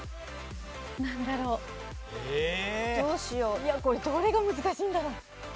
いやこれどれが難しいんだろう？